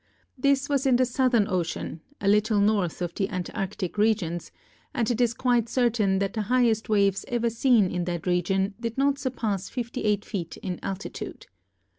This was in the southern ocean, a little north of the Antarctic regions; and it is quite certain that the highest waves ever seen in that region did not surpass fifty eight feet in altitude.